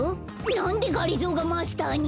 なんでがりぞーがマスターに？